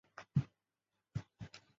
圣米歇尔德巴涅尔人口变化图示